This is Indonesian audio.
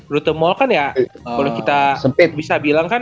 rute mall kan ya kalau kita bisa bilang kan